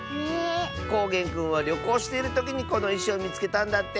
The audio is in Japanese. こうげんくんはりょこうしているときにこのいしをみつけたんだって！